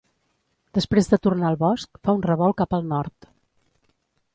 Després de tornar al bosc, fa un revolt cap al nord.